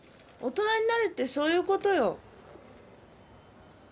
大人になるってそういう事よ。